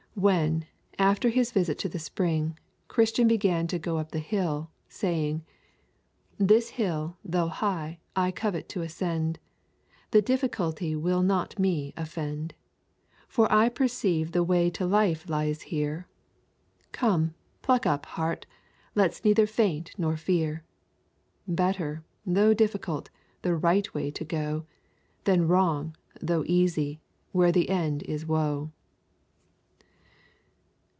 When, after his visit to the spring, Christian began to go up the hill, saying: 'This hill, though high, I covet to ascend; The difficulty will not me offend; For I perceive the way to life lies here; Come, pluck up heart; let's neither faint nor fear; Better, though difficult, the right way to go, Than wrong, though easy, where the end is woe.'